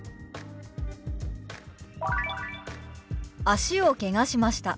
「脚をけがしました」。